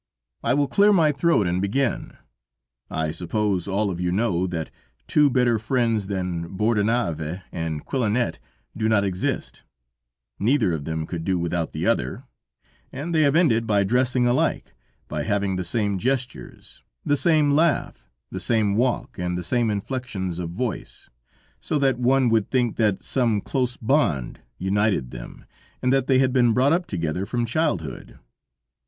"I will clear my throat and begin. I suppose all of you know that two better friends than Bordenave and Quillanet do not exist; neither of them could do without the other, and they have ended by dressing alike, by having the same gestures, the same laugh, the same walk and the same inflections of voice, so that one would think that some close bond united them, and that they had been brought up together from childhood.